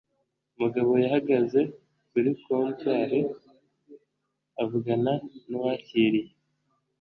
Mugabo yahagaze kuri comptoir, avugana nuwakiriye.